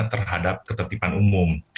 terhadap ketertiban umum